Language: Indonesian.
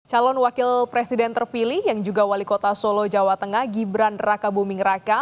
calon wakil presiden terpilih yang juga wali kota solo jawa tengah gibran raka buming raka